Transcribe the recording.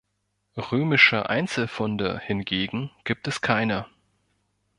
Römische Einzelfunde hingegen gibt es keine.